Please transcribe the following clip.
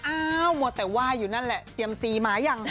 อ้าวมัวแต่ว่ายอยู่นั่นแหละเตรียมซีมาหรือยัง